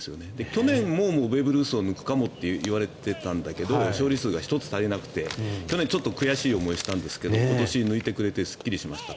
去年もベーブ・ルースを抜くかもって言われていたんだけど勝利数が１つ足りなくて去年はちょっと悔しい思いをしたんですけど今年、抜いてくれてすっきりしました。